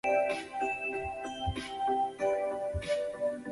中华桫椤为桫椤科桫椤属下的一个种。